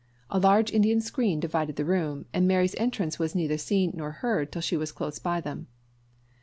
A large Indian screen divided the room, and Mary's entrance was neither seen nor heard till she was close by them.